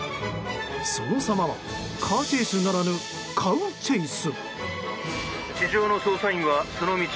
そのさまは、カーチェイスならぬカウチェイス。